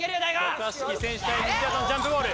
渡嘉敷選手対西畑のジャンプボール。